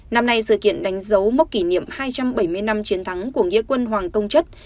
năm nay sự kiện đánh dấu mốc kỷ niệm hai trăm bảy mươi năm chiến thắng của nghĩa quân hoàng công chất